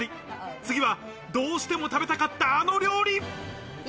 次はどうしても食べたかった、あの料理。